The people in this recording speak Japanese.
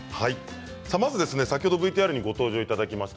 先ほどＶＴＲにご登場いただきました